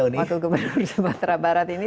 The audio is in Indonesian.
waktu kembali ke batara barat ini